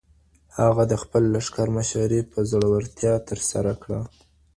هغه د خپل لښکر مشري په زړورتیا ترسره کړه.